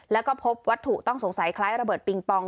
แล้วก็พบวัตถุต้องสงสัยคล้ายระเบิดปิงปอง